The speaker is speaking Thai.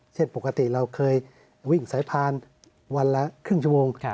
เช่นปกติเราเคยวิ่งสายพานวันละครึ่งชั่วโมง